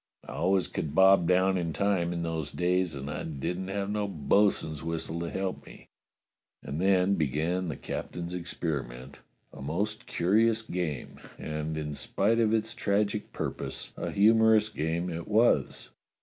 I always could bob down in time in those days, and I didn't have no bo'sun's whistle to help me." And then began the captain's experiment, a most curious game, and, in spite of its tragic purpose, a humorous game it was.